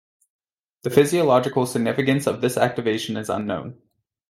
The physiological significance of this activation is unknown.